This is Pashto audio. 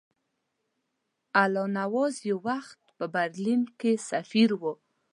الله نواز یو وخت په برلین کې سفیر وو.